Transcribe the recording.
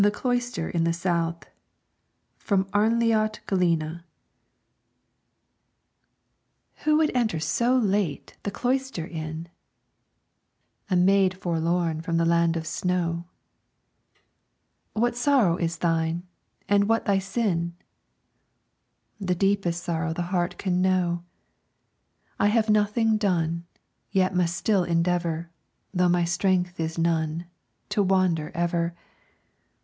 THE CLOISTER IN THE SOUTH From 'Arnljot Gelline' "Who would enter so late the cloister in?" "A maid forlorn from the land of snow." "What sorrow is thine, and what thy sin?" "The deepest sorrow the heart can know. I have nothing done, Yet must still endeavor, Though my strength is none, To wander ever.